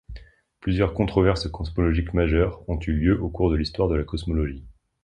Plusieurs controverses cosmologiques majeures ont eu lieu au cours de l'histoire de la cosmologie.